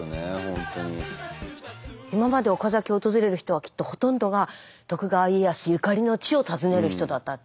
今まで岡崎訪れる人はきっとほとんどが徳川家康ゆかりの地を訪ねる人だったって。